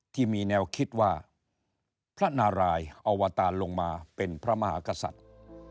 ที่มีแนวคิดว่าพระนารายอวตารลงมาเป็นพระมหากษัตริย์